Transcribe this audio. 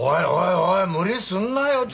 おい無理すんなよ